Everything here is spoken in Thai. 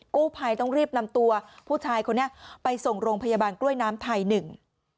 กู้ภัยต้องรีบนำตัวผู้ชายคนนี้ไปส่งโรงพยาบาลกล้วยน้ำไทยหนึ่ง